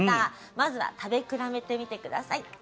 まずは食べ比べてみて下さい。